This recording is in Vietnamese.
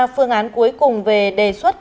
phương án cuối cùng về đề xuất